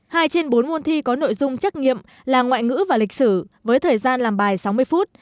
hai trên bốn môn thi có nội dung trắc nghiệm là ngoại ngữ và lịch sử với thời gian làm bài sáu mươi phút